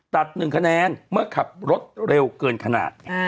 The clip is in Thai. ๑คะแนนเมื่อขับรถเร็วเกินขนาด